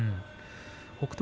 北勝